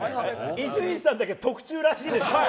伊集院さんだけ特注らしい。